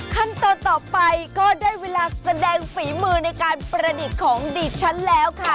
ขั้นตอนต่อไปก็ได้เวลาแสดงฝีมือในการประดิษฐ์ของดิฉันแล้วค่ะ